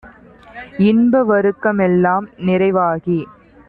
இன்ப வருக்கமெல் லாம்நிறை வாகி